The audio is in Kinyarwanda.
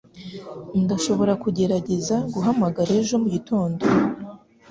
Ndashobora kugerageza guhamagara ejo mugitondo.